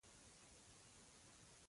د غرمې وقفه لرئ؟